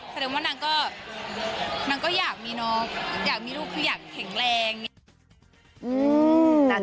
แสดงว่านางก็นางก็อยากมีน้องอยากมีลูกคืออยากแข็งแรง